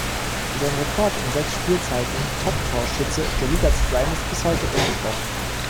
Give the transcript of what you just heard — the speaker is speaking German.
Sein Rekord, in sechs Spielzeiten Toptorschütze der Liga zu sein, ist bis heute ungebrochen.